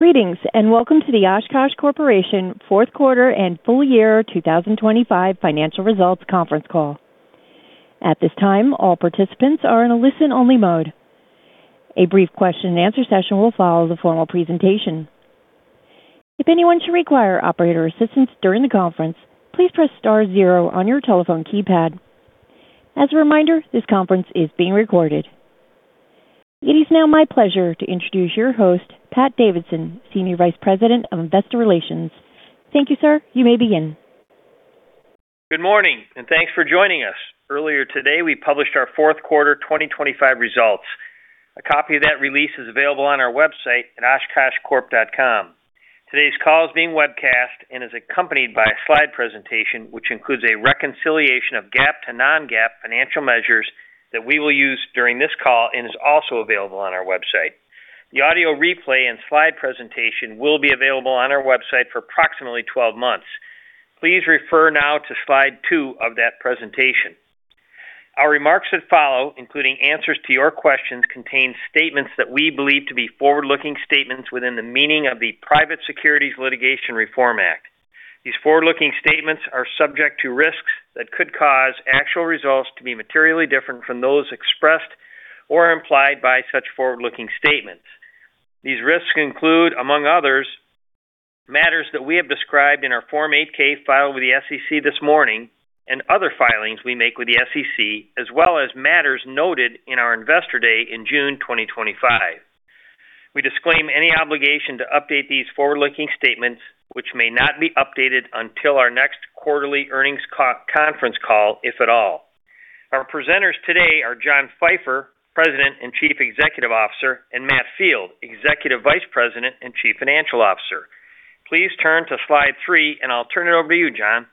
Greetings and welcome to the Oshkosh Corporation Fourth Quarter and Full Year 2025 Financial Results Conference Call. At this time, all participants are in a listen-only mode. A brief question-and-answer session will follow the formal presentation. If anyone should require operator assistance during the conference, please press star zero on your telephone keypad. As a reminder, this conference is being recorded. It is now my pleasure to introduce your host, Pat Davidson, Senior Vice President of Investor Relations. Thank you, sir. You may begin. Good morning, and thanks for joining us. Earlier today, we published our Fourth Quarter 2025 results. A copy of that release is available on our website at OshkoshCorp.com. Today's call is being webcast and is accompanied by a slide presentation, which includes a reconciliation of GAAP to non-GAAP financial measures that we will use during this call and is also available on our website. The audio replay and slide presentation will be available on our website for approximately 12 months. Please refer now to slide 2 of that presentation. Our remarks that follow, including answers to your questions, contain statements that we believe to be forward-looking statements within the meaning of the Private Securities Litigation Reform Act. These forward-looking statements are subject to risks that could cause actual results to be materially different from those expressed or implied by such forward-looking statements. These risks include, among others, matters that we have described in our Form 8-K filed with the SEC this morning and other filings we make with the SEC, as well as matters noted in our Investor Day in June 2025. We disclaim any obligation to update these forward-looking statements, which may not be updated until our next quarterly earnings conference call, if at all. Our presenters today are John Pfeifer, President and Chief Executive Officer, and Matt Field, Executive Vice President and Chief Financial Officer. Please turn to slide 3, and I'll turn it over to you, John.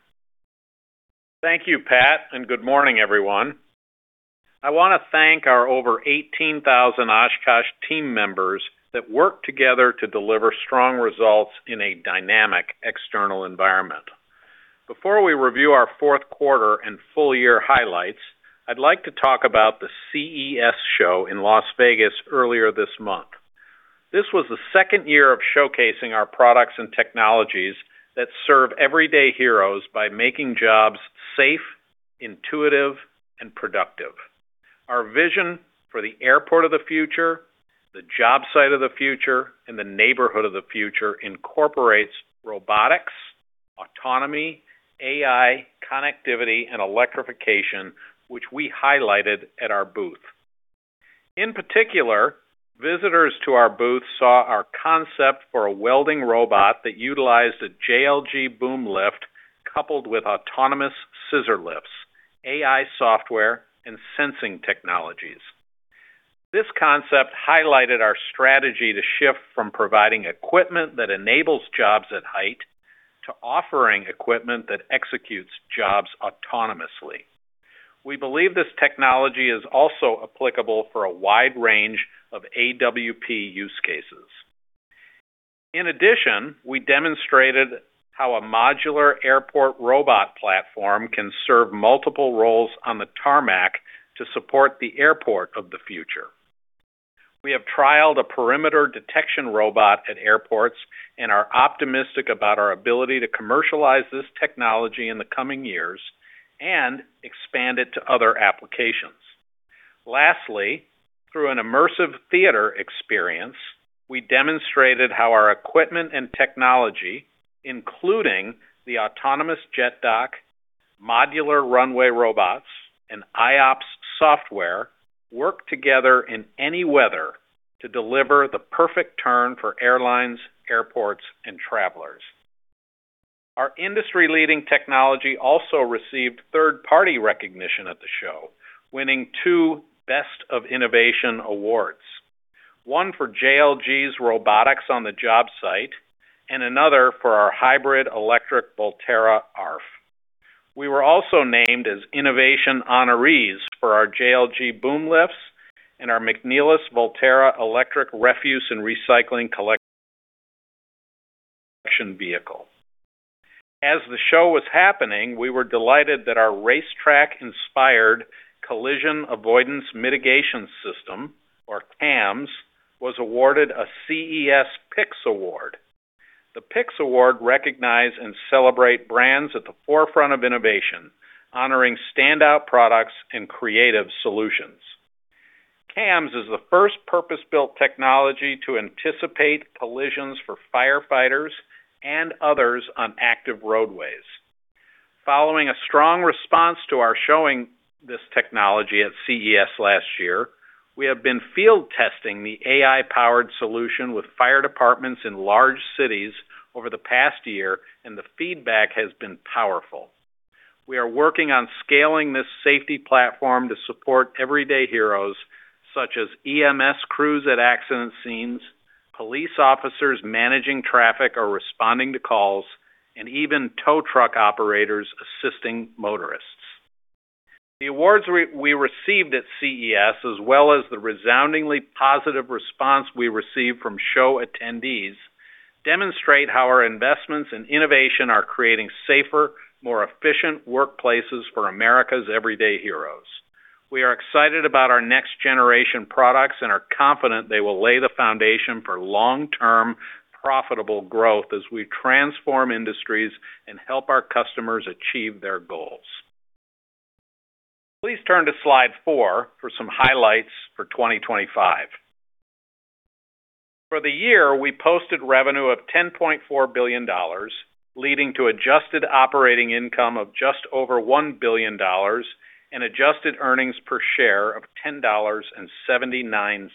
Thank you, Pat, and good morning, everyone. I want to thank our over 18,000 Oshkosh team members that work together to deliver strong results in a dynamic external environment. Before we review our Fourth Quarter and Full Year highlights, I'd like to talk about the CES show in Las Vegas earlier this month. This was the second year of showcasing our products and technologies that serve everyday heroes by making jobs safe, intuitive, and productive. Our vision for the airport of the future, the job site of the future, and the neighborhood of the future incorporates robotics, autonomy, AI, connectivity, and electrification, which we highlighted at our booth. In particular, visitors to our booth saw our concept for a welding robot that utilized a JLG boom lift coupled with autonomous scissor lifts, AI software, and sensing technologies. This concept highlighted our strategy to shift from providing equipment that enables jobs at height to offering equipment that executes jobs autonomously. We believe this technology is also applicable for a wide range of AWP use cases. In addition, we demonstrated how a modular airport robot platform can serve multiple roles on the tarmac to support the airport of the future. We have trialed a perimeter detection robot at airports and are optimistic about our ability to commercialize this technology in the coming years and expand it to other applications. Lastly, through an immersive theater experience, we demonstrated how our equipment and technology, including the autonomous jet dock, modular runway robots, and iOPS software, work together in any weather to deliver the perfect turn for airlines, airports, and travelers. Our industry-leading technology also received third-party recognition at the show, winning two Best of Innovation awards: one for JLG's robotics on the job site and another for our hybrid electric Volterra ARFF. We were also named as Innovation Honorees for our JLG boom lifts and our McNeilus Volterra Electric Refuse and Recycling Collection Vehicle. As the show was happening, we were delighted that our racetrack-inspired Collision Avoidance Mitigation System, or CAMS, was awarded a CES Picks Award. The Picks Award recognizes and celebrates brands at the forefront of innovation, honoring standout products and creative solutions. CAMS is the first purpose-built technology to anticipate collisions for firefighters and others on active roadways. Following a strong response to our showing this technology at CES last year, we have been field testing the AI-powered solution with fire departments in large cities over the past year, and the feedback has been powerful. We are working on scaling this safety platform to support everyday heroes such as EMS crews at accident scenes, police officers managing traffic or responding to calls, and even tow truck operators assisting motorists. The awards we received at CES, as well as the resoundingly positive response we received from show attendees, demonstrate how our investments and innovation are creating safer, more efficient workplaces for America's everyday heroes. We are excited about our next-generation products and are confident they will lay the foundation for long-term profitable growth as we transform industries and help our customers achieve their goals. Please turn to slide four for some highlights for 2025. For the year, we posted revenue of $10.4 billion, leading to adjusted operating income of just over $1 billion and adjusted earnings per share of $10.79.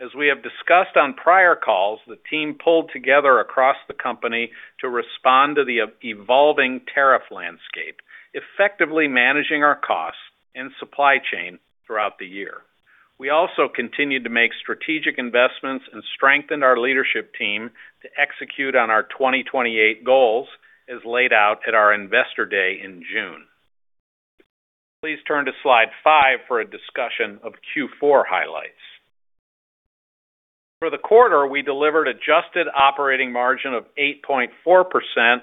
As we have discussed on prior calls, the team pulled together across the company to respond to the evolving tariff landscape, effectively managing our costs and supply chain throughout the year. We also continued to make strategic investments and strengthened our leadership team to execute on our 2028 goals as laid out at our Investor Day in June. Please turn to slide 5 for a discussion of Q4 highlights. For the quarter, we delivered an adjusted operating margin of 8.4%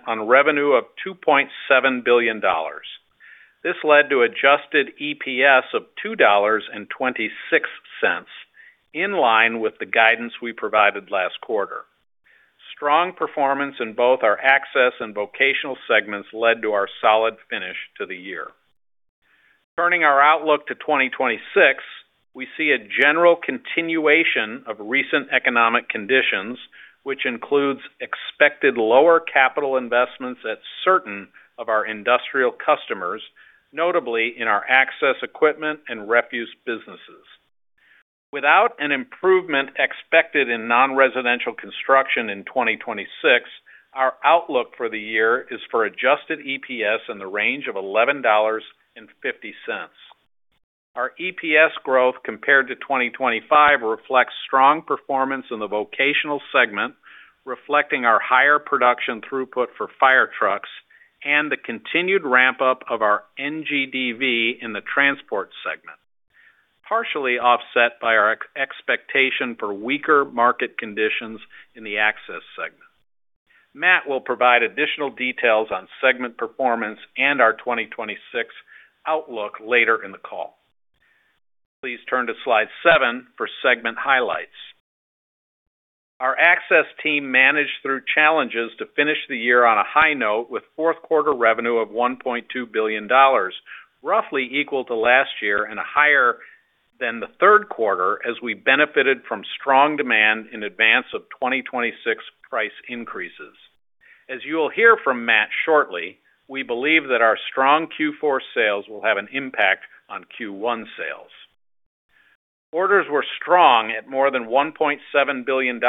on revenue of $2.7 billion. This led to an adjusted EPS of $2.26, in line with the guidance we provided last quarter. Strong performance in both our access and vocational segments led to our solid finish to the year. Turning our outlook to 2026, we see a general continuation of recent economic conditions, which includes expected lower capital investments at certain of our industrial customers, notably in our access equipment and refuse businesses. Without an improvement expected in non-residential construction in 2026, our outlook for the year is for Adjusted EPS in the range of $11.50. Our EPS growth compared to 2025 reflects strong performance in the vocational segment, reflecting our higher production throughput for fire trucks and the continued ramp-up of our NGDV in the transport segment, partially offset by our expectation for weaker market conditions in the access segment. Matt will provide additional details on segment performance and our 2026 outlook later in the call. Please turn to slide seven for segment highlights. Our access team managed through challenges to finish the year on a high note with Fourth Quarter revenue of $1.2 billion, roughly equal to last year and higher than the Third Quarter as we benefited from strong demand in advance of 2026 price increases. As you will hear from Matt shortly, we believe that our strong Q4 sales will have an impact on Q1 sales. Orders were strong at more than $1.7 billion,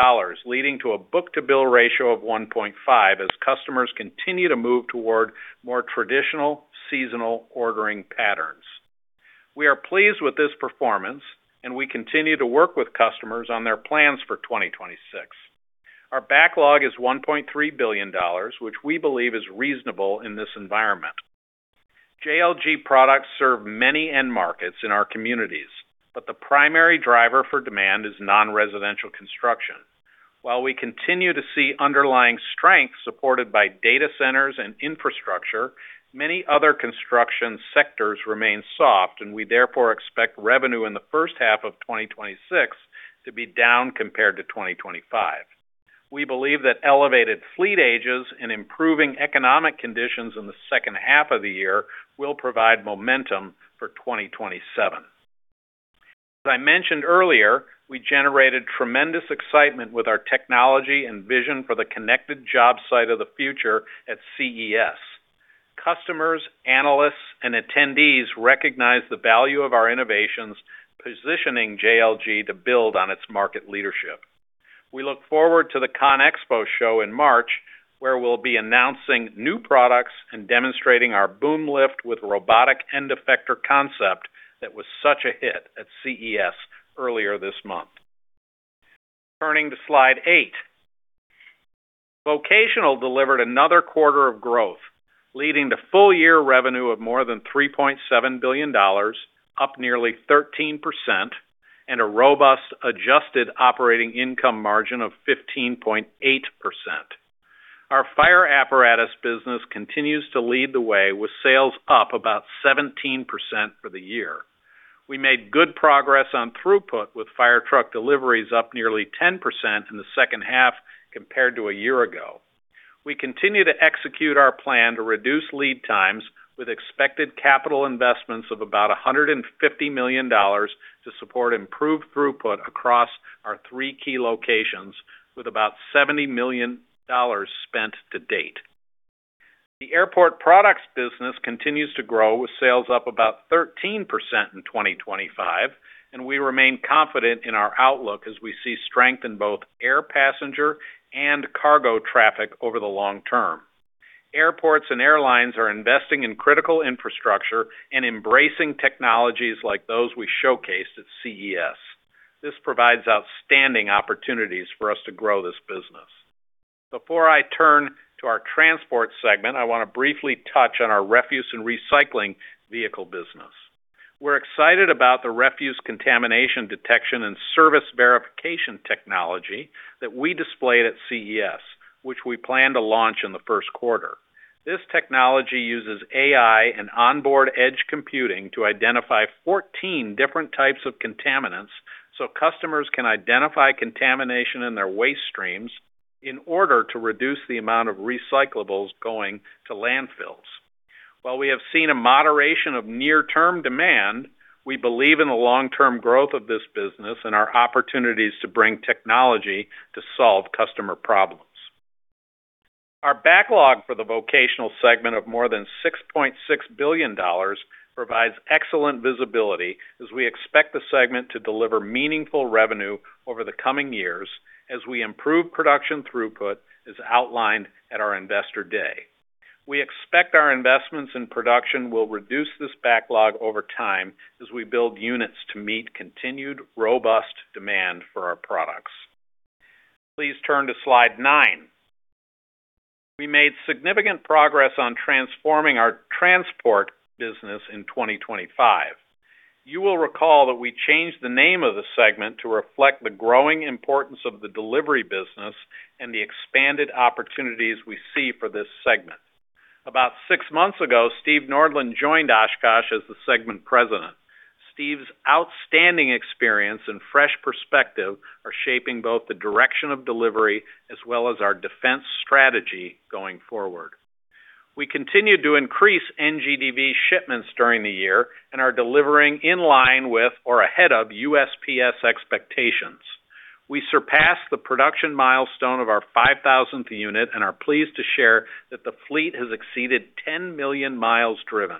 leading to a book-to-bill ratio of 1.5 as customers continue to move toward more traditional seasonal ordering patterns. We are pleased with this performance, and we continue to work with customers on their plans for 2026. Our backlog is $1.3 billion, which we believe is reasonable in this environment. JLG products serve many end markets in our communities, but the primary driver for demand is non-residential construction. While we continue to see underlying strength supported by data centers and infrastructure, many other construction sectors remain soft, and we therefore expect revenue in the first half of 2026 to be down compared to 2025. We believe that elevated fleet ages and improving economic conditions in the second half of the year will provide momentum for 2027. As I mentioned earlier, we generated tremendous excitement with our technology and vision for the connected job site of the future at CES. Customers, analysts, and attendees recognize the value of our innovations, positioning JLG to build on its market leadership. We look forward to the CONEXPO show in March, where we'll be announcing new products and demonstrating our boom lift with robotic end effector concept that was such a hit at CES earlier this month. Turning to Slide 8, vocational delivered another quarter of growth, leading to full-year revenue of more than $3.7 billion, up nearly 13%, and a robust adjusted operating income margin of 15.8%. Our fire apparatus business continues to lead the way with sales up about 17% for the year. We made good progress on throughput with fire truck deliveries up nearly 10% in the second half compared to a year ago. We continue to execute our plan to reduce lead times with expected capital investments of about $150 million to support improved throughput across our three key locations, with about $70 million spent to date. The airport products business continues to grow with sales up about 13% in 2025, and we remain confident in our outlook as we see strength in both air passenger and cargo traffic over the long term. Airports and airlines are investing in critical infrastructure and embracing technologies like those we showcased at CES. This provides outstanding opportunities for us to grow this business. Before I turn to our transport segment, I want to briefly touch on our refuse and recycling vehicle business. We're excited about the refuse contamination detection and service verification technology that we displayed at CES, which we plan to launch in the first quarter. This technology uses AI and onboard edge computing to identify 14 different types of contaminants so customers can identify contamination in their waste streams in order to reduce the amount of recyclables going to landfills. While we have seen a moderation of near-term demand, we believe in the long-term growth of this business and our opportunities to bring technology to solve customer problems. Our backlog for the vocational segment of more than $6.6 billion provides excellent visibility as we expect the segment to deliver meaningful revenue over the coming years as we improve production throughput as outlined at our Investor Day. We expect our investments in production will reduce this backlog over time as we build units to meet continued robust demand for our products. Please turn to slide nine. We made significant progress on transforming our transport business in 2025. You will recall that we changed the name of the segment to reflect the growing importance of the delivery business and the expanded opportunities we see for this segment. About six months ago, Steve Nordlund joined Oshkosh as the segment president. Steve's outstanding experience and fresh perspective are shaping both the direction of delivery as well as our Defense strategy going forward. We continue to increase NGDV shipments during the year and are delivering in line with or ahead of USPS expectations. We surpassed the production milestone of our 5,000th unit and are pleased to share that the fleet has exceeded 10 million miles driven.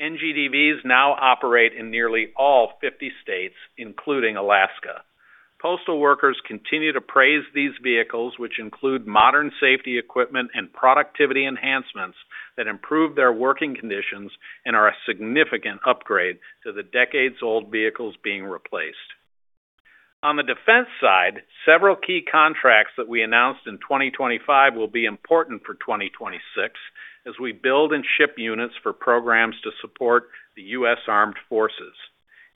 NGDVs now operate in nearly all 50 states, including Alaska. Postal workers continue to praise these vehicles, which include modern safety equipment and productivity enhancements that improve their working conditions and are a significant upgrade to the decades-old vehicles being replaced. On the Defense side, several key contracts that we announced in 2025 will be important for 2026 as we build and ship units for programs to support the U.S. Armed Forces.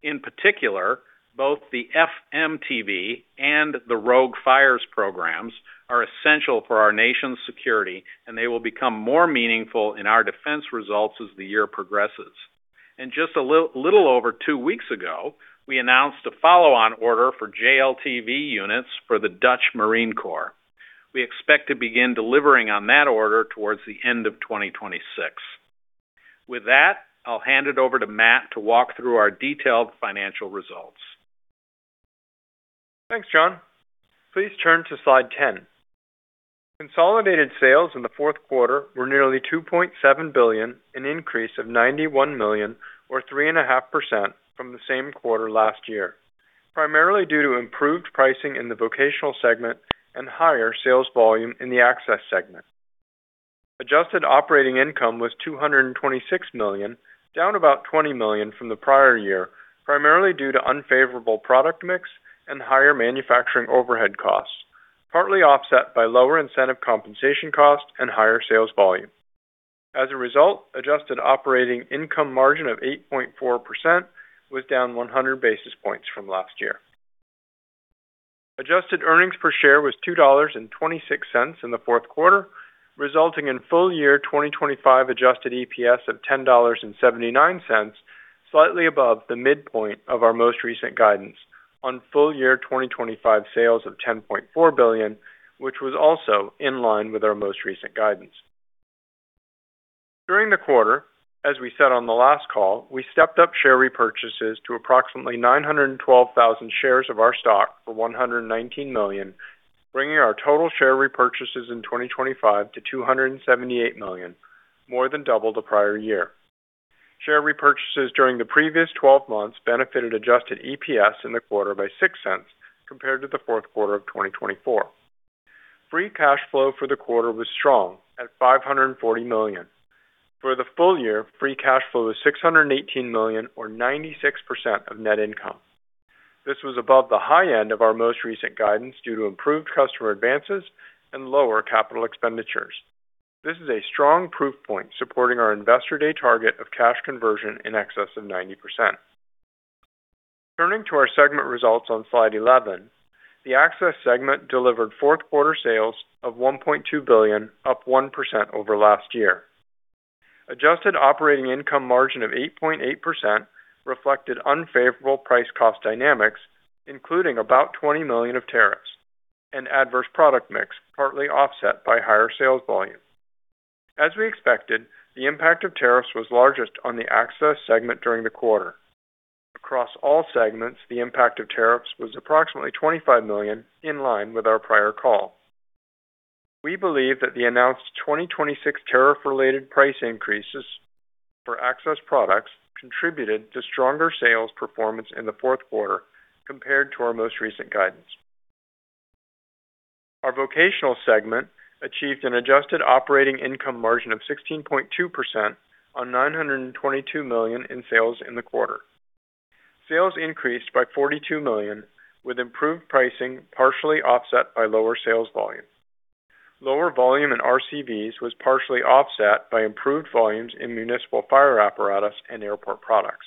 In particular, both the FMTV and the ROGUE Fires programs are essential for our nation's security, and they will become more meaningful in our Defense results as the year progresses. Just a little over two weeks ago, we announced a follow-on order for JLTV units for the Dutch Marine Corps. We expect to begin delivering on that order towards the end of 2026. With that, I'll hand it over to Matt to walk through our detailed financial results. Thanks, John. Please turn to slide 10. Consolidated sales in the fourth quarter were nearly $2.7 billion, an increase of $91 million, or 3.5% from the same quarter last year, primarily due to improved pricing in the vocational segment and higher sales volume in the access segment. Adjusted operating income was $226 million, down about $20 million from the prior year, primarily due to unfavorable product mix and higher manufacturing overhead costs, partly offset by lower incentive compensation costs and higher sales volume. As a result, adjusted operating income margin of 8.4% was down 100 basis points from last year. Adjusted earnings per share was $2.26 in the fourth quarter, resulting in full-year 2025 adjusted EPS of $10.79, slightly above the midpoint of our most recent guidance on full-year 2025 sales of $10.4 billion, which was also in line with our most recent guidance. During the quarter, as we said on the last call, we stepped up share repurchases to approximately 912,000 shares of our stock for $119 million, bringing our total share repurchases in 2025 to $278 million, more than double the prior year. Share repurchases during the previous 12 months benefited adjusted EPS in the quarter by $0.06 compared to the fourth quarter of 2024. Free cash flow for the quarter was strong at $540 million. For the full year, free cash flow was $618 million, or 96% of net income. This was above the high end of our most recent guidance due to improved customer advances and lower capital expenditures. This is a strong proof point supporting our Investor Day target of cash conversion in excess of 90%. Turning to our segment results on slide 11, the access segment delivered Fourth Quarter sales of $1.2 billion, up 1% over last year. Adjusted operating income margin of 8.8% reflected unfavorable price-cost dynamics, including about $20 million of tariffs and adverse product mix, partly offset by higher sales volume. As we expected, the impact of tariffs was largest on the access segment during the quarter. Across all segments, the impact of tariffs was approximately $25 million, in line with our prior call. We believe that the announced 2026 tariff-related price increases for access products contributed to stronger sales performance in the Fourth Quarter compared to our most recent guidance. Our vocational segment achieved an adjusted operating income margin of 16.2% on $922 million in sales in the quarter. Sales increased by $42 million, with improved pricing partially offset by lower sales volume. Lower volume in RCVs was partially offset by improved volumes in municipal fire apparatus and airport products.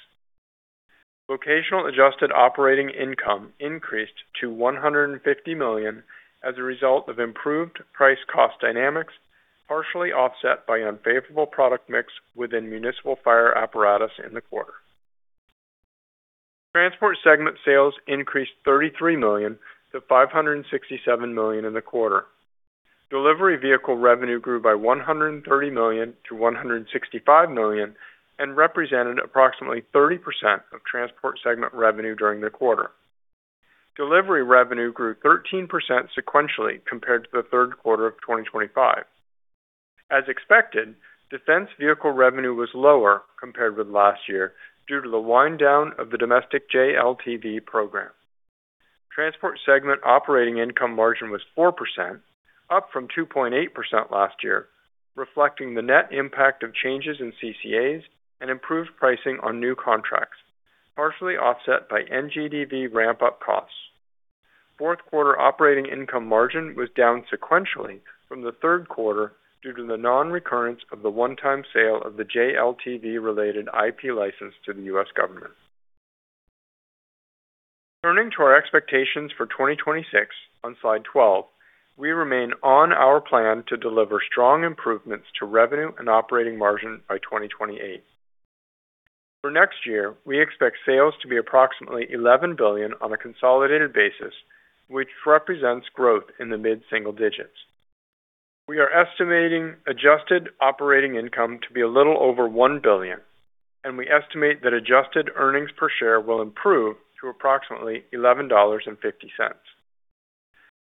Vocational adjusted operating income increased to $150 million as a result of improved price-cost dynamics, partially offset by unfavorable product mix within municipal fire apparatus in the quarter. Transport segment sales increased $33 million to $567 million in the quarter. Delivery vehicle revenue grew by $130 million to $165 million and represented approximately 30% of transport segment revenue during the quarter. Delivery revenue grew 13% sequentially compared to the third quarter of 2025. As expected, Defense vehicle revenue was lower compared with last year due to the wind-down of the domestic JLTV program. Transport segment operating income margin was 4%, up from 2.8% last year, reflecting the net impact of changes in CCAs and improved pricing on new contracts, partially offset by NGDV ramp-up costs. Fourth Quarter operating income margin was down sequentially from the Third Quarter due to the non-recurrence of the one-time sale of the JLTV-related IP license to the U.S. government. Turning to our expectations for 2026 on slide 12, we remain on our plan to deliver strong improvements to revenue and operating margin by 2028. For next year, we expect sales to be approximately $11 billion on a consolidated basis, which represents growth in the mid-single digits. We are estimating adjusted operating income to be a little over $1 billion, and we estimate that adjusted earnings per share will improve to approximately $11.50.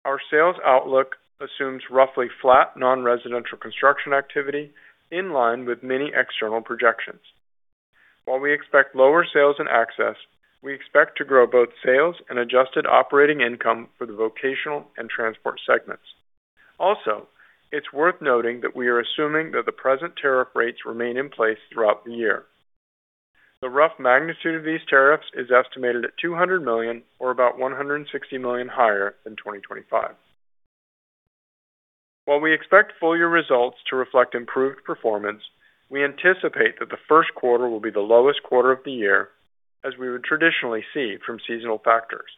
Our sales outlook assumes roughly flat non-residential construction activity in line with many external projections. While we expect lower sales in access, we expect to grow both sales and adjusted operating income for the vocational and transport segments. Also, it's worth noting that we are assuming that the present tariff rates remain in place throughout the year. The rough magnitude of these tariffs is estimated at $200 million, or about $160 million higher than 2025. While we expect full-year results to reflect improved performance, we anticipate that the First Quarter will be the lowest quarter of the year, as we would traditionally see from seasonal factors.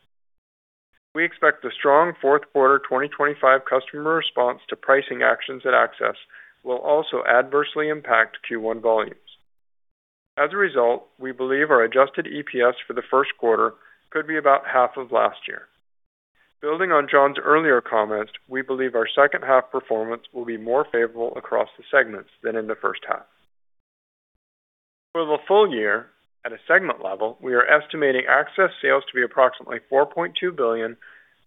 We expect the strong Fourth Quarter 2025 customer response to pricing actions at access will also adversely impact Q1 volumes. As a result, we believe our adjusted EPS for the First Quarter could be about half of last year. Building on John's earlier comments, we believe our second-half performance will be more favorable across the segments than in the first half. For the full year, at a segment level, we are estimating access sales to be approximately $4.2 billion,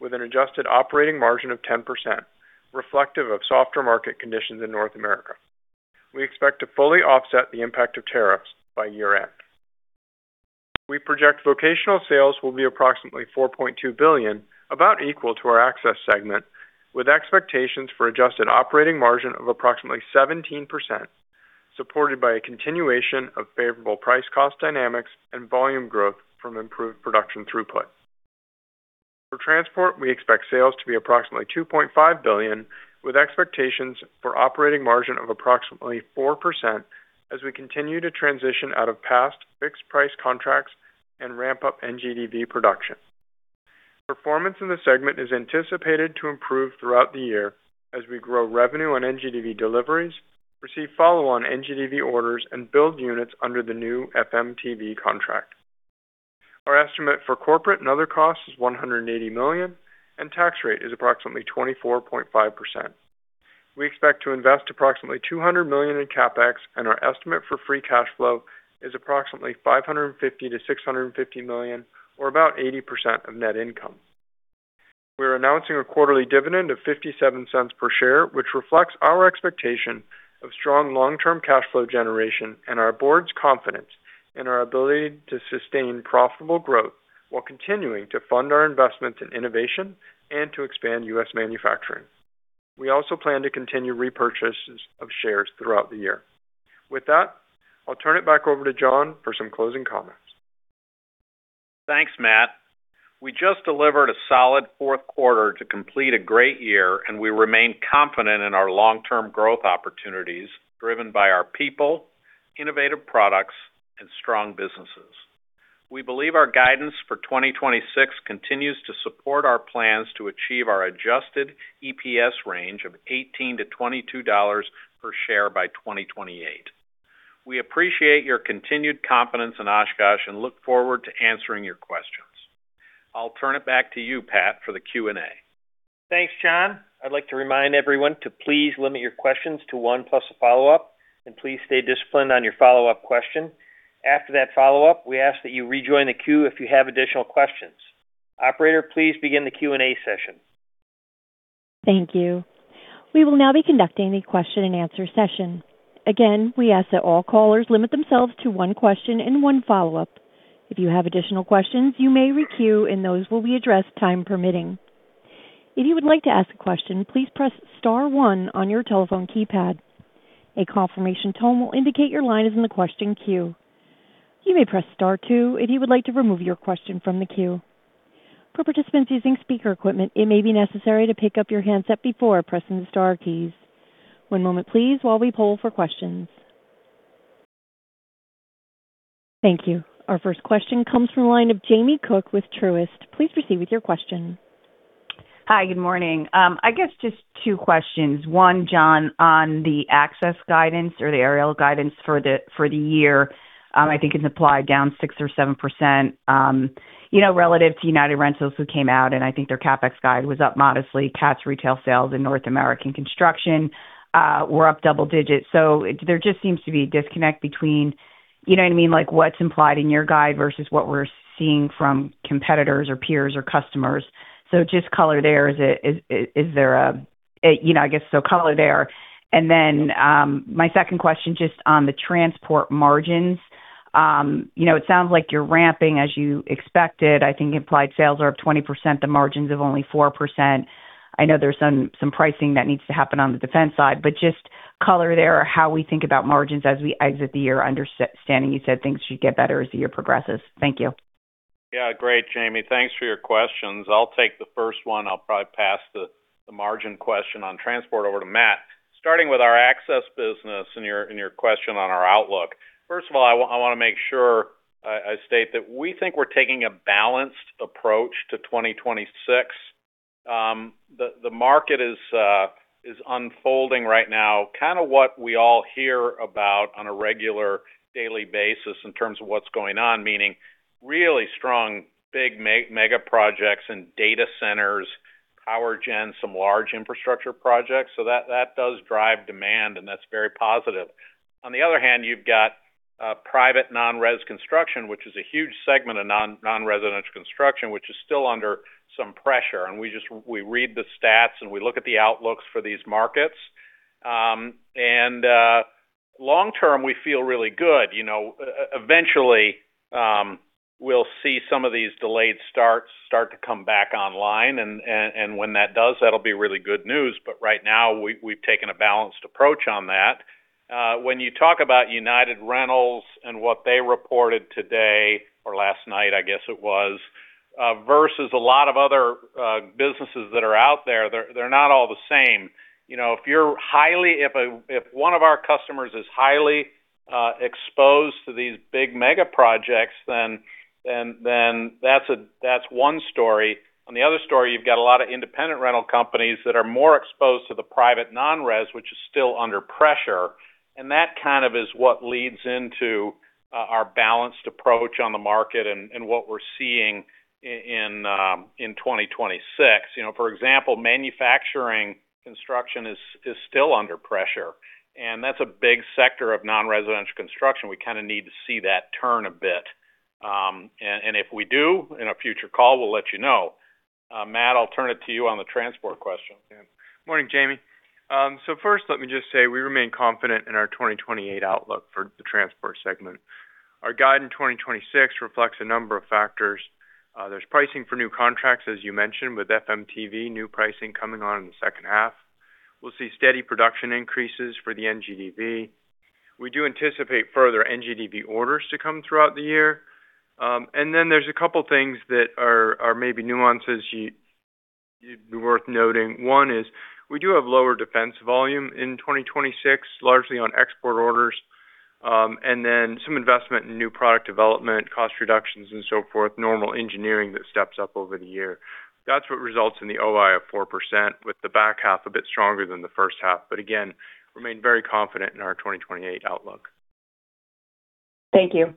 with an adjusted operating margin of 10%, reflective of softer market conditions in North America. We expect to fully offset the impact of tariffs by year-end. We project vocational sales will be approximately $4.2 billion, about equal to our access segment, with expectations for adjusted operating margin of approximately 17%, supported by a continuation of favorable price-cost dynamics and volume growth from improved production throughput. For transport, we expect sales to be approximately $2.5 billion, with expectations for operating margin of approximately 4% as we continue to transition out of past fixed-price contracts and ramp up NGDV production. Performance in the segment is anticipated to improve throughout the year as we grow revenue on NGDV deliveries, receive follow-on NGDV orders, and build units under the new FMTV contract. Our estimate for corporate and other costs is $180 million, and tax rate is approximately 24.5%. We expect to invest approximately $200 million in CapEx, and our estimate for free cash flow is approximately $550-$650 million, or about 80% of net income. We are announcing a quarterly dividend of $0.57 per share, which reflects our expectation of strong long-term cash flow generation and our board's confidence in our ability to sustain profitable growth while continuing to fund our investments in innovation and to expand U.S. manufacturing. We also plan to continue repurchases of shares throughout the year. With that, I'll turn it back over to John for some closing comments. Thanks, Matt. We just delivered a solid Fourth Quarter to complete a great year, and we remain confident in our long-term growth opportunities driven by our people, innovative products, and strong businesses. We believe our guidance for 2026 continues to support our plans to achieve our adjusted EPS range of $18-$22 per share by 2028. We appreciate your continued confidence in Oshkosh and look forward to answering your questions. I'll turn it back to you, Pat, for the Q&A. Thanks, John. I'd like to remind everyone to please limit your questions to one plus a follow-up, and please stay disciplined on your follow-up question. After that follow-up, we ask that you rejoin the queue if you have additional questions. Operator, please begin the Q&A session. Thank you. We will now be conducting the question-and-answer session. Again, we ask that all callers limit themselves to one question and one follow-up. If you have additional questions, you may re-queue, and those will be addressed time permitting. If you would like to ask a question, please press *1 on your telephone keypad. A confirmation tone will indicate your line is in the question queue. You may press * 2 if you would like to remove your question from the queue. For participants using speaker equipment, it may be necessary to pick up your handset before pressing the * keys. One moment, please, while we poll for questions. Thank you. Our first question comes from the line of Jamie Cook with Truist. Please proceed with your question. Hi, good morning. I guess just two questions. One, John, on the access guidance or the aerial guidance for the year. I think it's applied down 6% or 7% relative to United Rentals, who came out, and I think their CapEx guide was up modestly. CAT's retail sales in North American Construction were up double digits. So, there just seems to be a disconnect between, you know what I mean, like what's implied in your guide versus what we're seeing from competitors or peers or customers. So, just color there, is there a, I guess, so color there. And then my second question just on the transport margins. It sounds like you're ramping, as you expected. I think implied sales are up 20%, the margins of only 4%. I know there's some pricing that needs to happen on the Defense side, but just color there how we think about margins as we exit the year, understanding you said things should get better as the year progresses. Thank you. Yeah, great, Jamie. Thanks for your questions. I'll take the first one. I'll probably pass the margin question on transport over to Matt. Starting with our access business and your question on our outlook. First of all, I want to make sure I state that we think we're taking a balanced approach to 2026. The market is unfolding right now. Kind of what we all hear about on a regular daily basis in terms of what's going on, meaning really strong, big mega projects and data centers, power gen, some large infrastructure projects. So that does drive demand, and that's very positive. On the other hand, you've got private non-res construction, which is a huge segment of non-residential construction, which is still under some pressure. We read the stats, and we look at the outlooks for these markets. Long-term, we feel really good. Eventually, we'll see some of these delayed starts start to come back online. When that does, that'll be really good news. But right now, we've taken a balanced approach on that. When you talk about United Rentals and what they reported today or last night, I guess it was, versus a lot of other businesses that are out there, they're not all the same. If one of our customers is highly exposed to these big mega projects, then that's one story. On the other story, you've got a lot of independent rental companies that are more exposed to the private non-res, which is still under pressure. And that kind of is what leads into our balanced approach on the market and what we're seeing in 2026. For example, manufacturing construction is still under pressure. And that's a big sector of non-residential construction. We kind of need to see that turn a bit. And if we do, in a future call, we'll let you know. Matt, I'll turn it to you on the transport questions. Good morning, Jamie. So, first, let me just say we remain confident in our 2028 outlook for the transport segment. Our guide in 2026 reflects a number of factors. There's pricing for new contracts, as you mentioned, with FMTV new pricing coming on in the second half. We'll see steady production increases for the NGDV. We do anticipate further NGDV orders to come throughout the year. And then there's a couple of things that are maybe nuances worth noting. One is we do have lower Defense volume in 2026, largely on export orders, and then some investment in new product development, cost reductions, and so forth, normal engineering that steps up over the year. That's what results in the OI of 4%, with the back half a bit stronger than the first half. But again, remain very confident in our 2028 outlook. Thank you.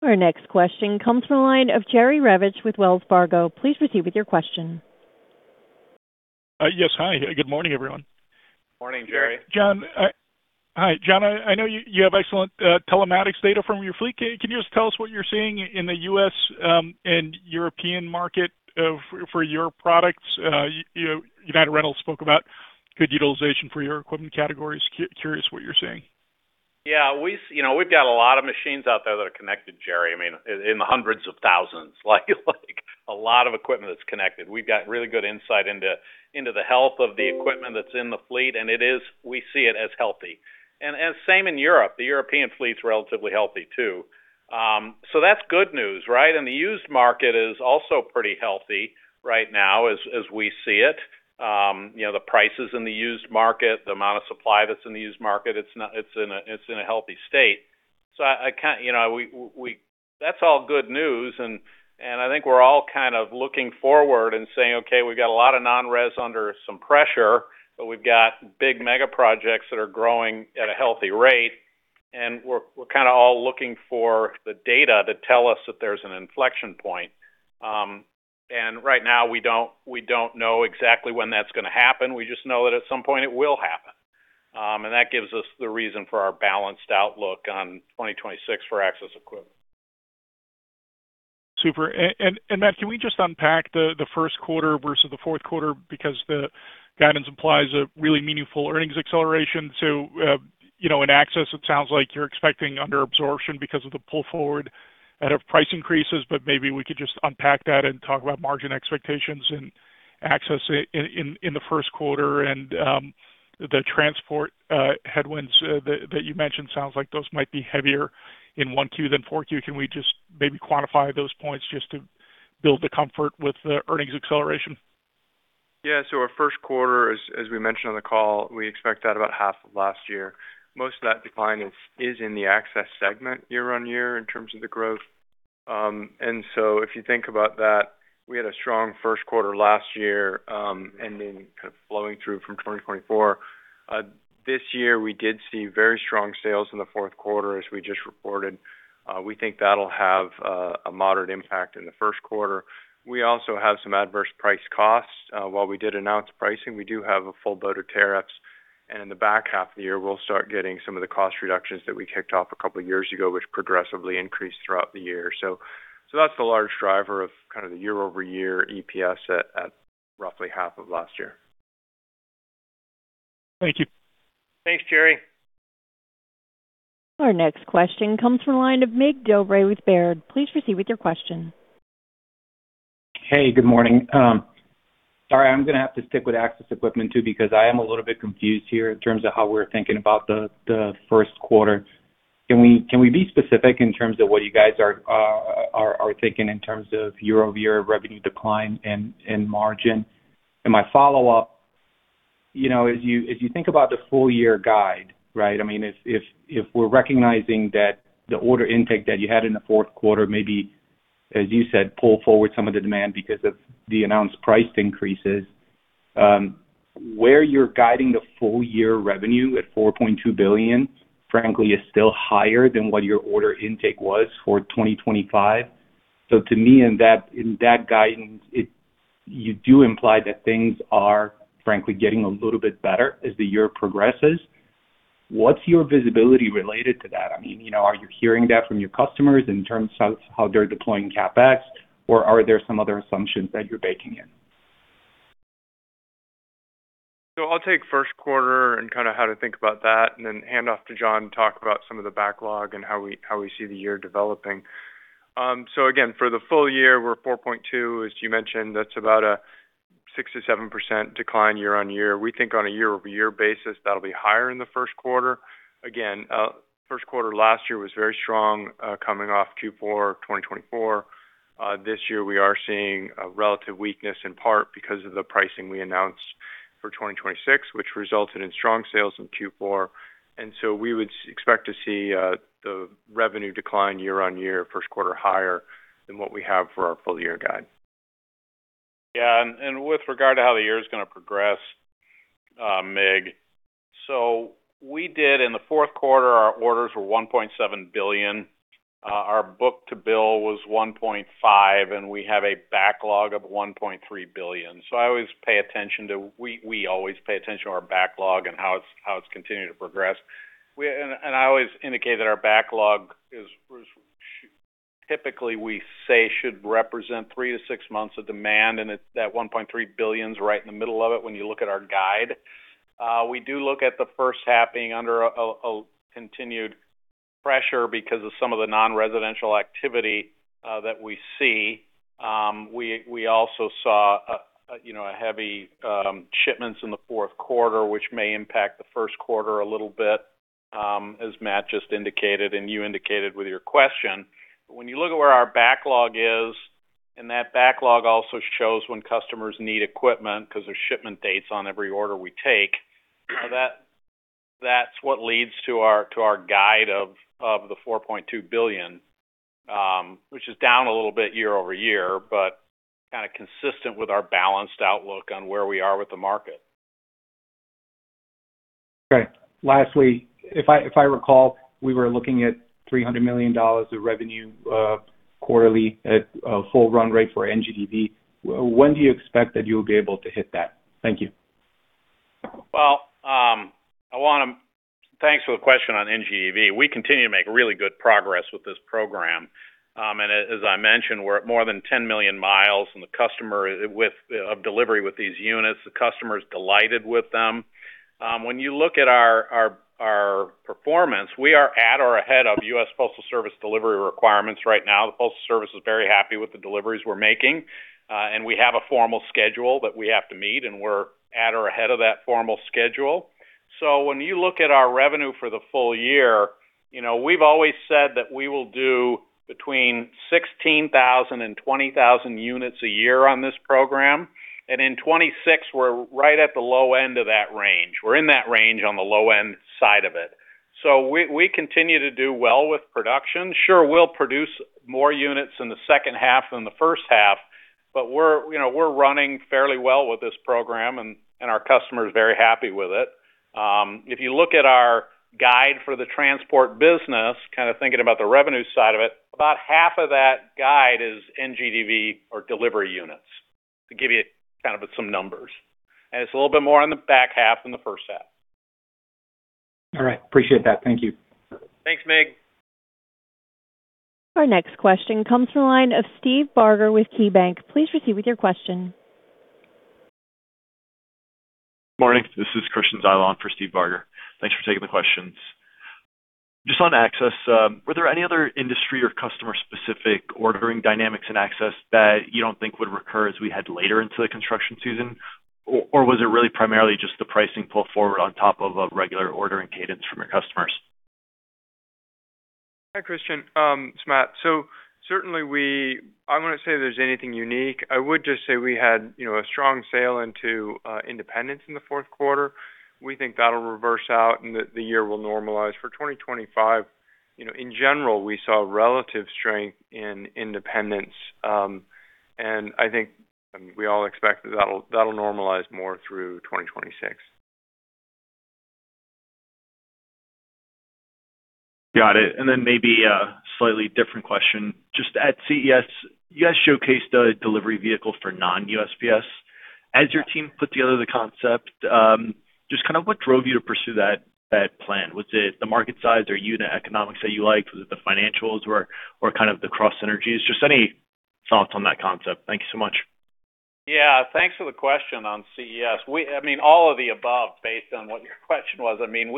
Our next question comes from the line of Jerry Revich with Wells Fargo. Please proceed with your question. Yes, hi. Good morning, everyone. Morning, Jerry. John, hi. John, I know you have excellent telematics data from your fleet. Can you just tell us what you're seeing in the U.S. and European market for your products? United Rentals spoke about good utilization for your equipment categories. Curious what you're seeing. Yeah, we've got a lot of machines out there that are connected, Jerry, I mean, in the hundreds of thousands. A lot of equipment that's connected. We've got really good insight into the health of the equipment that's in the fleet, and we see it as healthy. And same in Europe. The European fleet's relatively healthy too. So that's good news, right? And the used market is also pretty healthy right now, as we see it. The prices in the used market, the amount of supply that's in the used market, it's in a healthy state. So, that's all good news. And I think we're all kind of looking forward and saying, "Okay, we've got a lot of non-res under some pressure, but we've got big mega projects that are growing at a healthy rate." And we're kind of all looking for the data to tell us that there's an inflection point. And right now, we don't know exactly when that's going to happen. We just know that at some point it will happen. And that gives us the reason for our balanced outlook on 2026 for access equipment. Super. And Matt, can we just unpack the First Quarter versus the Fourth Quarter? Because the guidance implies a really meaningful earnings acceleration. So, in Access, it sounds like you're expecting under absorption because of the pull forward out of price increases, but maybe we could just unpack that and talk about margin expectations and Access in the first quarter. And the Transport headwinds that you mentioned, sounds like those might be heavier in Q1 than Q4. Can we just maybe quantify those points just to build the comfort with the earnings acceleration? Yeah, so our first quarter, as we mentioned on the call, we expect that about half of last year. Most of that decline is in the Access segment year-on-year in terms of the growth. And so, if you think about that, we had a strong first quarter last year and then kind of flowing through from 2024. This year, we did see very strong sales in the fourth quarter, as we just reported. We think that'll have a moderate impact in the first quarter. We also have some adverse price costs. While we did announce pricing, we do have a full boat of tariffs. In the back half of the year, we'll start getting some of the cost reductions that we kicked off a couple of years ago, which progressively increased throughout the year. So, that's the large driver of kind of the year-over-year EPS at roughly half of last year. Thank you. Thanks, Jerry. Our next question comes from the line of Mig Dobre with Baird. Please proceed with your question. Hey, good morning. Sorry, I'm going to have to stick with access equipment too because I am a little bit confused here in terms of how we're thinking about the first quarter. Can we be specific in terms of what you guys are thinking in terms of year-over-year revenue decline and margin? And my follow-up, as you think about the full-year guide, right? I mean, if we're recognizing that the order intake that you had in the Fourth Quarter maybe, as you said, pull forward some of the demand because of the announced price increases, where you're guiding the full-year revenue at $4.2 billion, frankly, is still higher than what your order intake was for 2025. So, to me, in that guidance, you do imply that things are, frankly, getting a little bit better as the year progresses. What's your visibility related to that? I mean, are you hearing that from your customers in terms of how they're deploying CapEx, or are there some other assumptions that you're baking in? So, I'll take First Quarter and kind of how to think about that and then hand off to John to talk about some of the backlog and how we see the year developing. So again, for the full year, we're 4.2, as you mentioned. That's about a 6%-7% decline year-over-year. We think on a year-over-year basis, that'll be higher in the First Quarter. Again, First Quarter last year was very strong coming off Q4 2024. This year, we are seeing a relative weakness in part because of the pricing we announced for 2026, which resulted in strong sales in Q4. And so, we would expect to see the revenue decline year-over-year, First Quarter higher than what we have for our full-year guide. Yeah, and with regard to how the year is going to progress, Mick, so we did in the Fourth Quarter, our orders were $1.7 billion. Our book-to-bill was 1.5, and we have a backlog of $1.3 billion. So, we always pay attention to our backlog and how it's continuing to progress. I always indicate that our backlog is typically, we say, should represent three to six months of demand, and that $1.3 billion is right in the middle of it when you look at our guide. We do look at the first happening under a continued pressure because of some of the non-residential activity that we see. We also saw a heavy shipment in the Fourth Quarter, which may impact the First Quarter a little bit, as Matt just indicated, and you indicated with your question. But when you look at where our backlog is, and that backlog also shows when customers need equipment because there's shipment dates on every order we take, that's what leads to our guide of the $4.2 billion, which is down a little bit year-over-year, but kind of consistent with our balanced outlook on where we are with the market. Okay. Lastly, if I recall, we were looking at $300 million of revenue quarterly at a full run rate for NGDV. When do you expect that you'll be able to hit that? Thank you. Well, I want to thank for the question on NGDV. We continue to make really good progress with this program. And as I mentioned, we're at more than 10 million miles in customer delivery with these units. The customer is delighted with them. When you look at our performance, we are at or ahead of U.S. Postal Service delivery requirements right now. The Postal Service is very happy with the deliveries we're making. We have a formal schedule that we have to meet, and we're at or ahead of that formal schedule. When you look at our revenue for the full year, we've always said that we will do between 16,000 and 20,000 units a year on this program. And in 2026, we're right at the low end of that range. We're in that range on the low-end side of it. We continue to do well with production. Sure, we'll produce more units in the second half than the first half, but we're running fairly well with this program, and our customer is very happy with it. If you look at our guide for the transport business, kind of thinking about the revenue side of it, about half of that guide is NGDV or delivery units, to give you kind of some numbers. And it's a little bit more in the back half than the first half. All right. Appreciate that. Thank you. Thanks, Mig. Our next question comes from the line of Steve Barger with KeyBanc. Please proceed with your question. Good morning. This is Christian Zylstra for Steve Barger. Thanks for taking the questions. Just on access, were there any other industry or customer-specific ordering dynamics in access that you don't think would recur as we head later into the construction season? Or was it really primarily just the pricing pull forward on top of a regular ordering cadence from your customers? Hi, Christian. It's Matt. So certainly, I wouldn't say there's anything unique. I would just say we had a strong sale into inventories in the Fourth Quarter. We think that'll reverse out, and the year will normalize. For 2025, in general, we saw relative strength in inventories. And I think we all expect that that'll normalize more through 2026. Got it. And then maybe a slightly different question. Just at CES, you guys showcased a delivery vehicle for non-USPS. As your team put together the concept, just kind of what drove you to pursue that plan? Was it the market size or unit economics that you liked? Was it the financials or kind of the synergies? Just any thoughts on that concept. Thank you so much. Yeah. Thanks for the question on CES. I mean, all of the above, based on what your question was. I mean,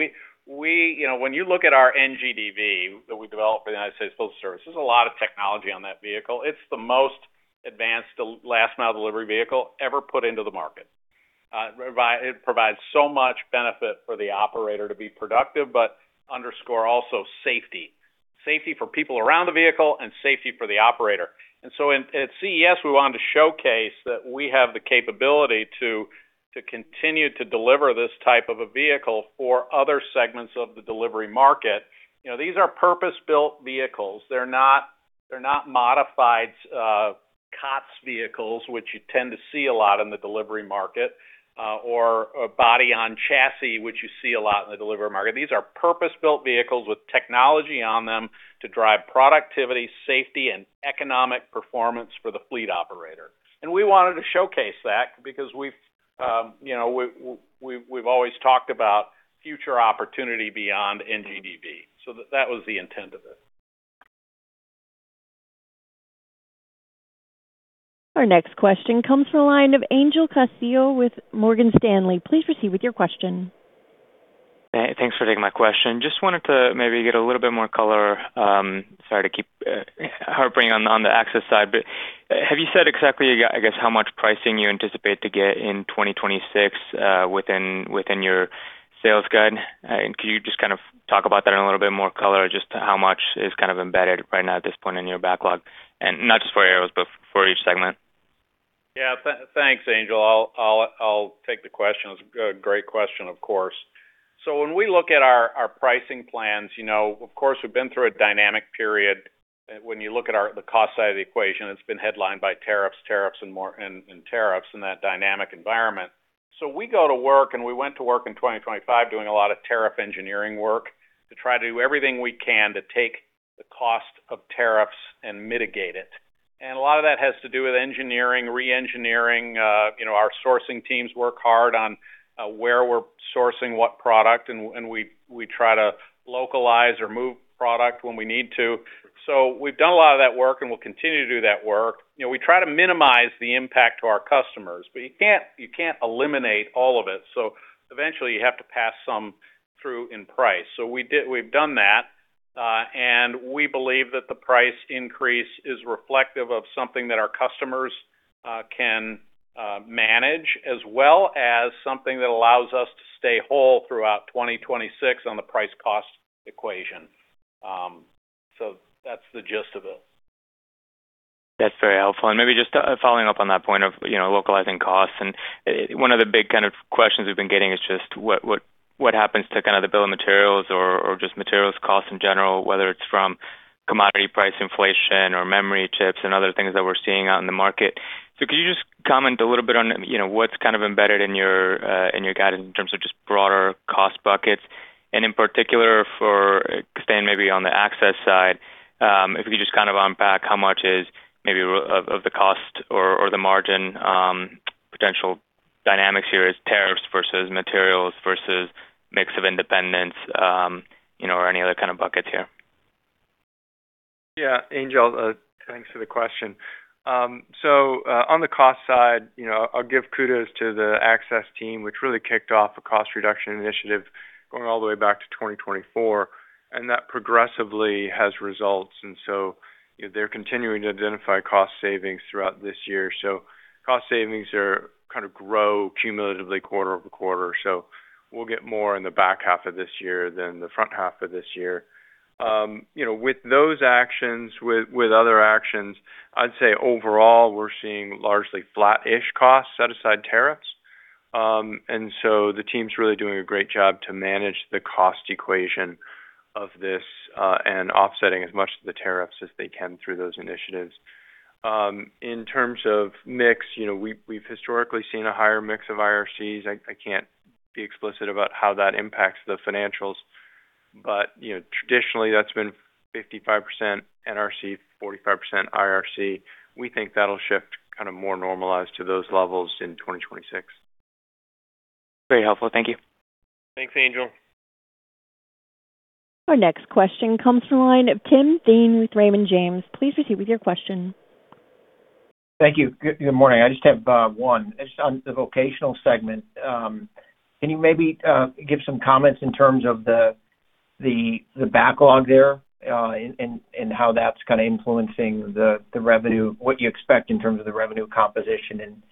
when you look at our NGDV that we developed for the United States Postal Service, there's a lot of technology on that vehicle. It's the most advanced last-mile delivery vehicle ever put into the market. It provides so much benefit for the operator to be productive but underscore also safety. Safety for people around the vehicle and safety for the operator. And so, at CES, we wanted to showcase that we have the capability to continue to deliver this type of a vehicle for other segments of the delivery market. These are purpose-built vehicles. They're not modified COTS vehicles, which you tend to see a lot in the delivery market, or body-on-chassis, which you see a lot in the delivery market. These are purpose-built vehicles with technology on them to drive productivity, safety, and economic performance for the fleet operator. We wanted to showcase that because we've always talked about future opportunity beyond NGDV. That was the intent of it. Our next question comes from the line of Angel Castillo with Morgan Stanley. Please proceed with your question. Thanks for taking my question. Just wanted to maybe get a little bit more color. Sorry to keep harping on the access side, but have you said exactly, I guess, how much pricing you anticipate to get in 2026 within your sales guide? And could you just kind of talk about that in a little bit more color, just how much is kind of embedded right now at this point in your backlog? And not just for aerials, but for each segment. Yeah. Thanks, Angel. I'll take the question. It's a great question, of course. So, when we look at our pricing plans, of course, we've been through a dynamic period. When you look at the cost side of the equation, it's been headlined by tariffs, tariffs, and tariffs in that dynamic environment. So we go to work, and we went to work in 2025 doing a lot of tariff engineering work to try to do everything we can to take the cost of tariffs and mitigate it. And a lot of that has to do with engineering, re-engineering. Our sourcing teams work hard on where we're sourcing what product, and we try to localize or move product when we need to. So, we've done a lot of that work, and we'll continue to do that work. We try to minimize the impact to our customers, but you can't eliminate all of it. So eventually, you have to pass some through in price. So, we've done that. And we believe that the price increase is reflective of something that our customers can manage, as well as something that allows us to stay whole throughout 2026 on the price-cost equation. So that's the gist of it. That's very helpful. And maybe just following up on that point of localizing costs. And one of the big kind of questions we've been getting is just what happens to kind of the bill of materials or just materials cost in general, whether it's from commodity price inflation or memory chips and other things that we're seeing out in the market. So could you just comment a little bit on what's kind of embedded in your guidance in terms of just broader cost buckets? In particular, for staying maybe on the access side, if you could just kind of unpack how much is maybe of the cost or the margin potential dynamics here is tariffs versus materials versus mix of Independents or any other kind of buckets here. Yeah. Angel, thanks for the question. On the cost side, I'll give kudos to the access team, which really kicked off a cost reduction initiative going all the way back to 2024. That progressively has results. They're continuing to identify cost savings throughout this year. Cost savings are kind of grow cumulatively quarter-over-quarter. We'll get more in the back half of this year than the front half of this year. With those actions, with other actions, I'd say overall, we're seeing largely flat-ish costs set aside tariffs. And so, the team's really doing a great job to manage the cost equation of this and offsetting as much of the tariffs as they can through those initiatives. In terms of mix, we've historically seen a higher mix of IRCs. I can't be explicit about how that impacts the financials. But traditionally, that's been 55% NRC, 45% IRC. We think that'll shift kind of more normalized to those levels in 2026. Very helpful. Thank you. Thanks, Angel. Our next question comes from the line of Tim Thein with Raymond James. Please proceed with your question. Thank you. Good morning. I just have one. Just on the vocational segment, can you maybe give some comments in terms of the backlog there and how that's kind of influencing the revenue, what you expect in terms of the revenue composition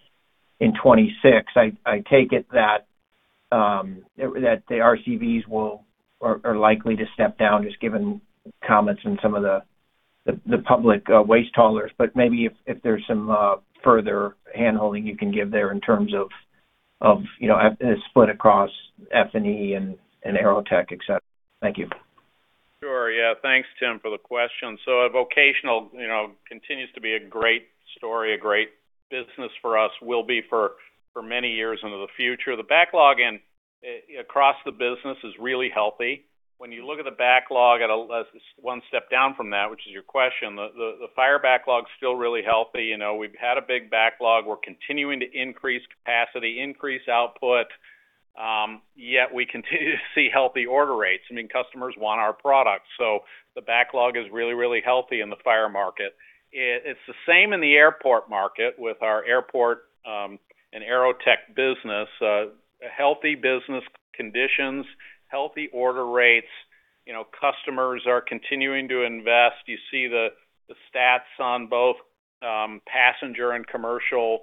in 2026? I take it that the RCVs are likely to step down just given comments on some of the public waste haulers. But maybe if there's some further handholding you can give there in terms of the split across F&E and AeroTech, etc. Thank you. Sure. Yeah. Thanks, Tim, for the question. So vocational continues to be a great story, a great business for us, will be for many years into the future. The backlog across the business is really healthy. When you look at the backlog at one step down from that, which is your question, the fire backlog is still really healthy. We've had a big backlog. We're continuing to increase capacity, increase output, yet we continue to see healthy order rates. I mean, customers want our product. So the backlog is really, really healthy in the fire market. It's the same in the airport market with our airport and AeroTech business. Healthy business conditions, healthy order rates. Customers are continuing to invest. You see the stats on both passenger and commercial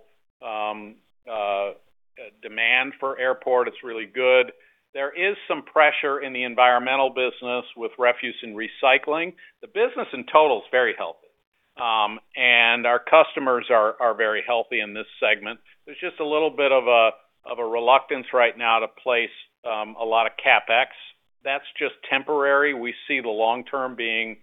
demand for airport. It's really good. There is some pressure in the environmental business with refuse and recycling. The business in total is very healthy. And our customers are very healthy in this segment. There's just a little bit of a reluctance right now to place a lot of CapEx. That's just temporary. We see the long term being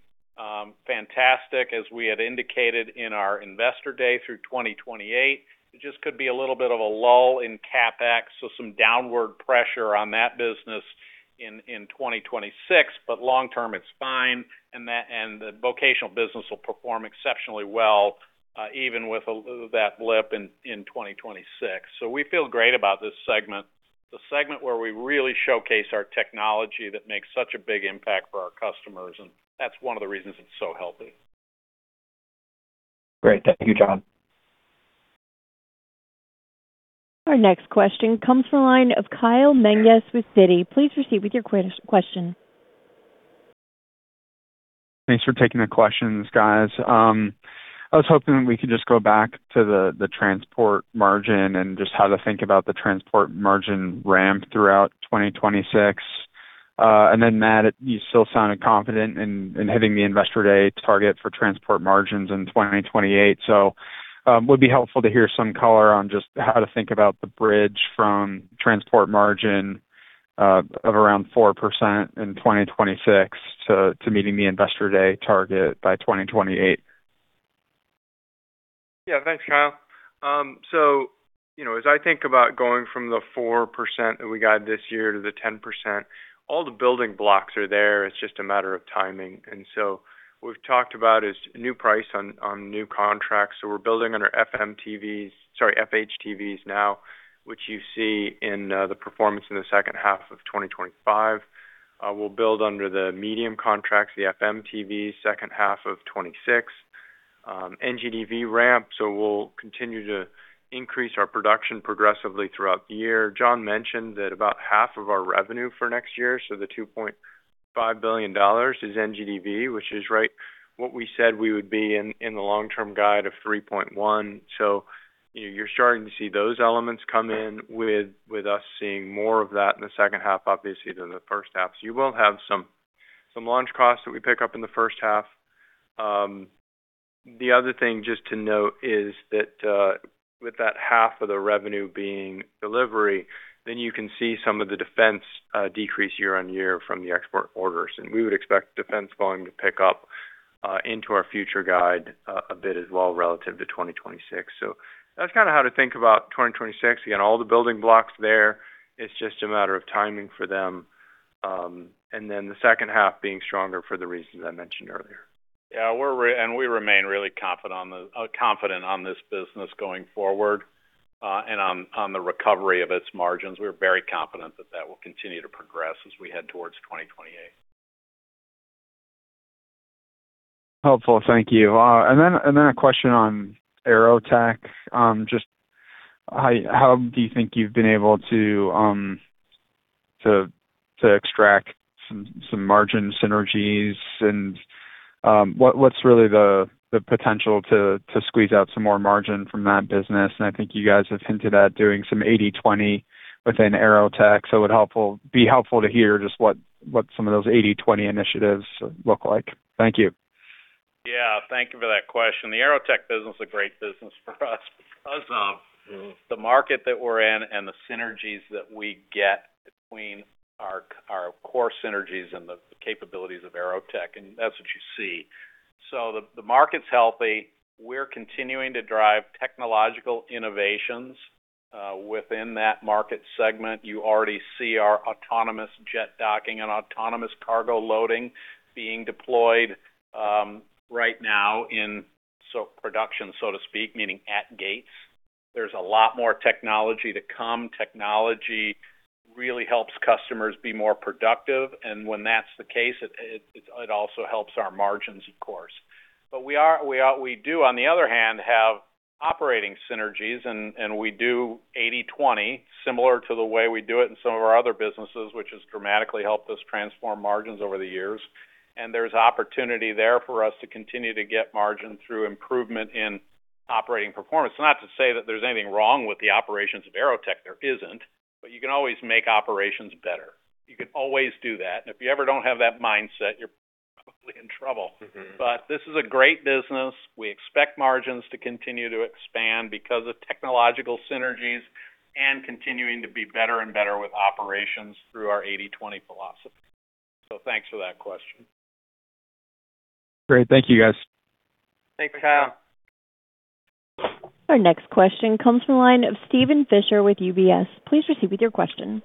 fantastic, as we had indicated in our investor day through 2028. It just could be a little bit of a lull in CapEx, so some downward pressure on that business in 2026. But long term, it's fine. And the vocational business will perform exceptionally well, even with that blip in 2026. So, we feel great about this segment, the segment where we really showcase our technology that makes such a big impact for our customers. And that's one of the reasons it's so healthy. Great. Thank you, John. Our next question comes from the line of Kyle Menges with Citi. Please proceed with your question. Thanks for taking the questions, guys. I was hoping that we could just go back to the transport margin and just how to think about the transport margin ramp throughout 2026. And then, Matt, you still sounded confident in hitting the investor day target for transport margins in 2028. So it would be helpful to hear some color on just how to think about the bridge from transport margin of around 4% in 2026 to meeting the investor day target by 2028. Yeah. Thanks, Kyle. So as I think about going from the 4% that we got this year to the 10%, all the building blocks are there. It's just a matter of timing. So what we've talked about is new price on new contracts. So we're building under FMTVs, sorry, FHTVs now, which you see in the performance in the second half of 2025. We'll build under the medium contracts, the FMTVs, second half of 2026. NGDV ramp. So we'll continue to increase our production progressively throughout the year. John mentioned that about half of our revenue for next year, so the $2.5 billion, is NGDV, which is right what we said we would be in the long-term guide of $3.1 billion. So you're starting to see those elements come in with us seeing more of that in the second half, obviously, than the first half. So, you will have some launch costs that we pick up in the first half. The other thing just to note is that with that half of the revenue being delivery, then you can see some of the Defense decrease year-over-year from the export orders. We would expect Defense volume to pick up into our future guide a bit as well relative to 2026. So that's kind of how to think about 2026. Again, all the building blocks there. It's just a matter of timing for them. And then the second half being stronger for the reasons I mentioned earlier. Yeah. We remain really confident on this business going forward and on the recovery of its margins. We're very confident that that will continue to progress as we head towards 2028. Helpful. Thank you. And then a question on AeroTech. Just how do you think you've been able to extract some margin synergies? And what's really the potential to squeeze out some more margin from that business? And I think you guys have hinted at doing some 80/20 within AeroTech. So it would be helpful to hear just what some of those 80/20 initiatives look like. Thank you. Yeah. Thank you for that question. The AeroTech business is a great business for us because of the market that we're in and the synergies that we get between our core synergies and the capabilities of AeroTech. And that's what you see. So the market's healthy. We're continuing to drive technological innovations within that market segment. You already see our autonomous jet docking and autonomous cargo loading being deployed right now in production, so to speak, meaning at gates. There's a lot more technology to come. Technology really helps customers be more productive. When that's the case, it also helps our margins, of course. We do, on the other hand, have operating synergies. We do 80/20, similar to the way we do it in some of our other businesses, which has dramatically helped us transform margins over the years. There's opportunity there for us to continue to get margin through improvement in operating performance. Not to say that there's anything wrong with the operations of AeroTech. There isn't. You can always make operations better. You can always do that. If you ever don't have that mindset, you're probably in trouble. This is a great business. We expect margins to continue to expand because of technological synergies and continuing to be better and better with operations through our 80/20 philosophy. Thanks for that question. Great. Thank you, guys. Thanks, Kyle. Our next question comes from the line of Steven Fisher with UBS. Please proceed with your question.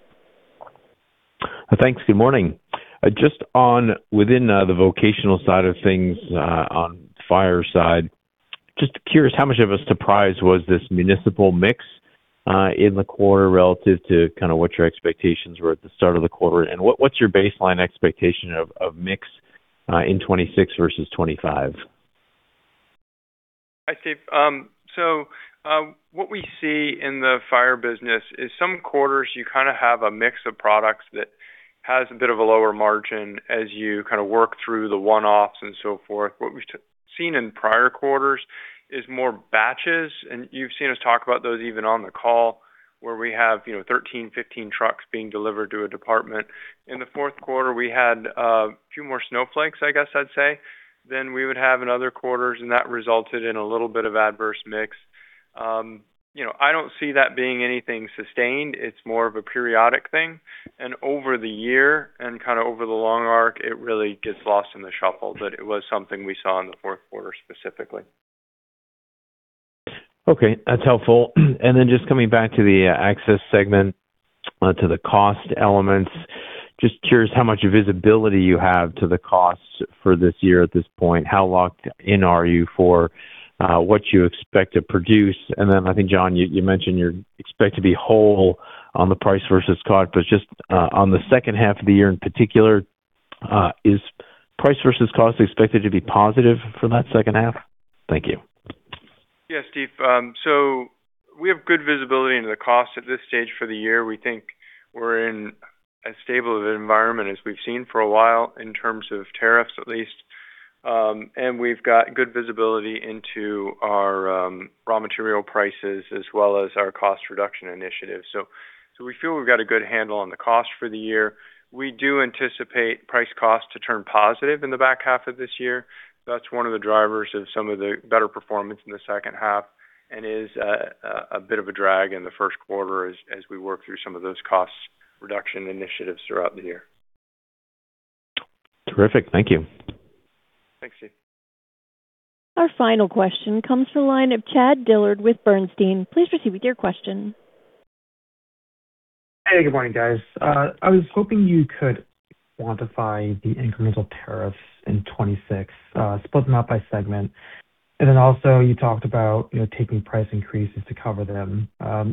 Thanks. Good morning. Just within the vocational side of things on the fire side, just curious how much of a surprise was this municipal mix in the quarter relative to kind of what your expectations were at the start of the quarter? And what's your baseline expectation of mix in 2026 versus 2025? I see. So, what we see in the fire business is some quarters, you kind of have a mix of products that has a bit of a lower margin as you kind of work through the one-offs and so forth. What we've seen in prior quarters is more batches. And you've seen us talk about those even on the call, where we have 13, 15 trucks being delivered to a department. In the fourth quarter, we had a few more snowflakes, I guess I'd say, than we would have in other quarters, and that resulted in a little bit of adverse mix. I don't see that being anything sustained. It's more of a periodic thing. And over the year and kind of over the long arc, it really gets lost in the shuffle. But it was something we saw in the fourth quarter specifically. Okay. That's helpful. And then just coming back to the access segment, to the cost elements, just curious how much visibility you have to the costs for this year at this point. How locked in are you for what you expect to produce? And then I think, John, you mentioned you expect to be whole on the price versus cost. But just on the second half of the year in particular, is price versus cost expected to be positive for that second half? Thank you. Yes, Steve. So, we have good visibility into the cost at this stage for the year. We think we're in as stable of an environment as we've seen for a while in terms of tariffs, at least. And we've got good visibility into our raw material prices as well as our cost reduction initiative. So, we feel we've got a good handle on the cost for the year. We do anticipate price cost to turn positive in the back half of this year. That's one of the drivers of some of the better performance in the second half and is a bit of a drag in the first quarter as we work through some of those cost reduction initiatives throughout the year. Terrific. Thank you. Thanks, Steve. Our final question comes from the line of Chad Dillard with Bernstein. Please proceed with your question. Hey. Good morning, guys. I was hoping you could quantify the incremental tariffs in 2026, split them out by segment. And then also, you talked about taking price increases to cover them.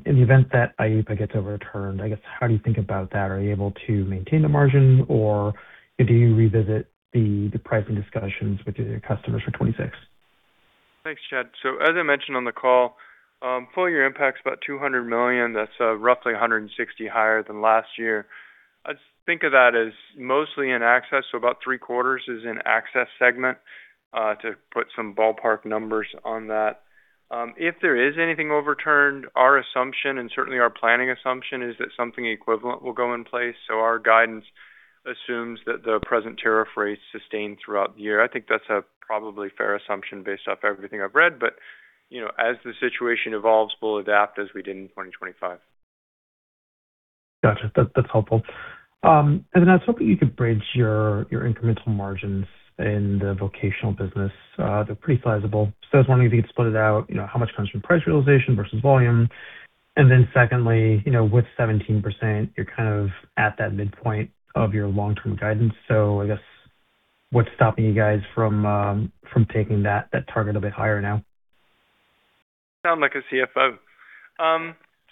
In the event that IEEPA gets overturned, I guess, how do you think about that? Are you able to maintain the margin, or do you revisit the pricing discussions with your customers for 2026? Thanks, Chad. So, as I mentioned on the call, full year impacts about $200 million. That's roughly $160 million higher than last year. I think of that as mostly in access. So about three-quarters is in access segment, to put some ballpark numbers on that. If there is anything overturned, our assumption, and certainly our planning assumption, is that something equivalent will go in place. So, our guidance assumes that the present tariff rates sustain throughout the year. I think that's a probably fair assumption based off everything I've read. But as the situation evolves, we'll adapt as we did in 2025. Gotcha. That's helpful. And then I was hoping you could bridge your incremental margins in the vocational business. They're pretty sizable. So, I was wondering if you could split it out, how much comes from price realization versus volume? And then secondly, with 17%, you're kind of at that midpoint of your long-term guidance. So, I guess what's stopping you guys from taking that target a bit higher now? Sound like a CFO.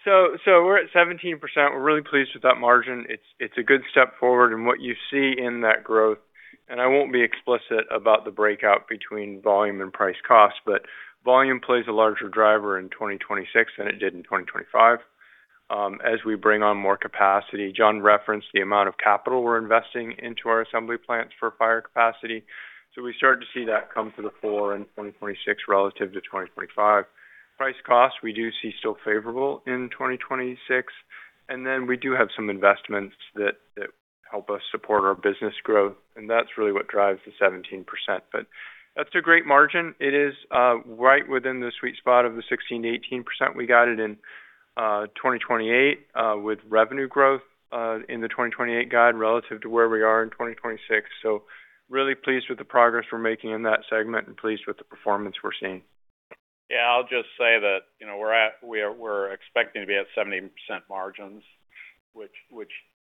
So, we're at 17%. We're really pleased with that margin. It's a good step forward in what you see in that growth. I won't be explicit about the breakout between volume and price cost, but volume plays a larger driver in 2026 than it did in 2025 as we bring on more capacity. John referenced the amount of capital we're investing into our assembly plants for fire capacity. So, we start to see that come to the fore in 2026 relative to 2025. Price cost, we do see still favorable in 2026. And then we do have some investments that help us support our business growth. And that's really what drives the 17%. But that's a great margin. It is right within the sweet spot of the 16%-18% we guided in 2028 with revenue growth in the 2028 guide relative to where we are in 2026. So really pleased with the progress we're making in that segment and pleased with the performance we're seeing. Yeah, I'll just say that we're expecting to be at 70% margins, which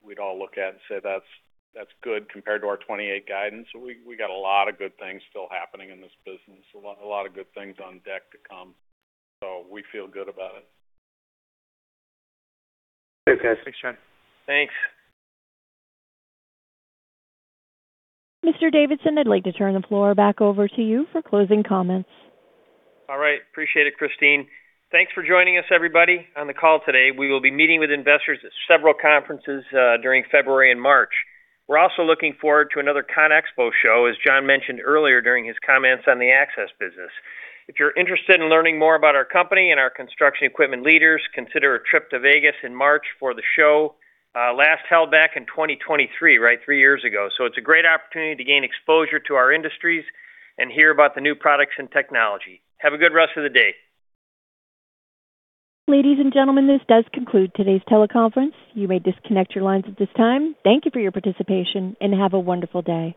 we'd all look at and say that's good compared to our 2028 guidance. So, we got a lot of good things still happening in this business, a lot of good things on deck to come. So, we feel good about it. Thanks, guys. Thanks, Chad. Thanks. Mr. Davidson, I'd like to turn the floor back over to you for closing comments. All right. Appreciate it, Christine. Thanks for joining us, everybody, on the call today. We will be meeting with investors at several conferences during February and March. We're also looking forward to another ConExpo show, as John mentioned earlier during his comments on the access business. If you're interested in learning more about our company and our construction equipment leaders, consider a trip to Vegas in March for the show, last held back in 2023, right, three years ago. So, it's a great opportunity to gain exposure to our industries and hear about the new products and technology. Have a good rest of the day. Ladies and gentlemen, this does conclude today's teleconference. You may disconnect your lines at this time. Thank you for your participation and have a wonderful day.